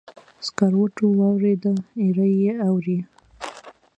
سکروټو واوریده، ایره یې اوري